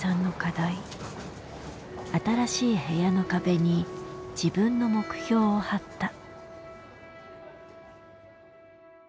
新しい部屋の壁に自分の目標を貼った。